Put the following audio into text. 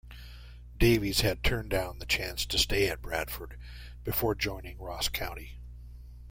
Davies had turned down the chance to stay at Bradford before joining Ross County.